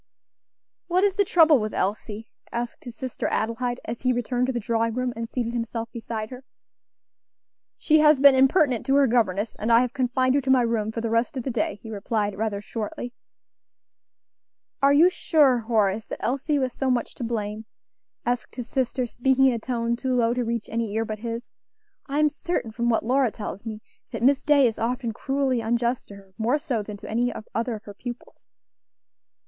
"What is the trouble with Elsie?" asked his sister Adelaide, as he returned to the drawing room and seated himself beside her. "She has been impertinent to her governess, and I have confined her to my room for the rest of the day," he replied, rather shortly. "Are you sure, Horace, that Elsie was so much to blame?" asked his sister, speaking in a tone too low to reach any ear but his. "I am certain, from what Lora tells me, that Miss Day is often cruelly unjust to her; more so than to any other of her pupils."